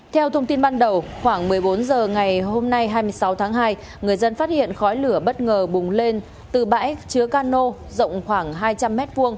theo thông tin ban đầu khoảng một mươi bốn h ngày hôm nay hai mươi sáu tháng hai người dân phát hiện khói lửa bất ngờ bùng lên từ bãi chứa cano rộng khoảng hai trăm linh m hai